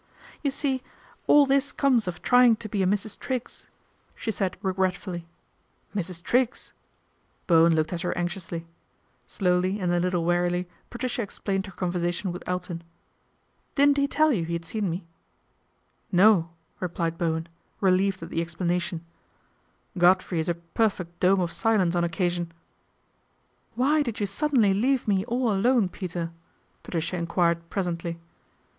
' You see all this comes of trying to be a Mrs. Triggs," she said regretfully. " Mrs. Triggs !" Bowen looked at her anxiously. Slowly and a little wearily Patricia explained her conversation with Elton. " Didn't he tell you he had seen me ?"" No," replied Bowen, relieved at the explana tion ;" Godfrey is a perfect dome of silence on occasion." 4 Why did you suddenly leave me all alone, j Peter ?" Patricia enquired presently.